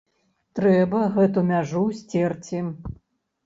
Трэба гэту мяжу сцерці.